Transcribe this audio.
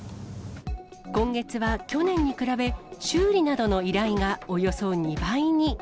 今月は去年に比べ、修理などの依頼がおよそ２倍に。